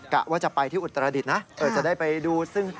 กะว่าจะไปที่อุตรดิษฐ์นะจะได้ไปดูซึ่ง